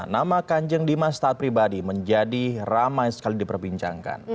nama kanjeng dimas taat pribadi menjadi ramai sekali diperbincangkan